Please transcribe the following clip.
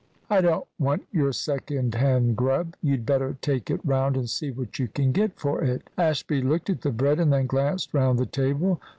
"I don't want your second hand grub. You'd better take it round and see what you can get for it." Ashby looked at the bread, and then glanced round the table.